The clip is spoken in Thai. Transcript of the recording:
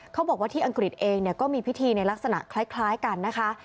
เขาบอกว่าที่อังกฤษเองก็มีพิธีในลักษณะคล้ายกันนะคะ